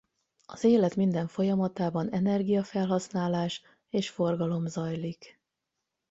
Az élet minden folyamatában energia felhasználás és forgalom zajlik.